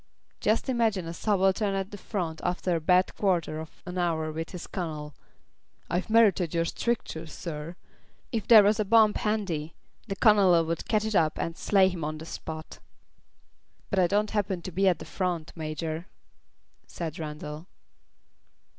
Just imagine a subaltern at the front after a bad quarter of an hour with his Colonel 'I've merited your strictures, sir!' If there was a bomb handy, the Colonel would catch it up and slay him on the spot." "But I don't happen to be at the front, Major," said Randall.